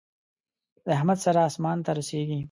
د احمد سر اسمان ته رسېږي.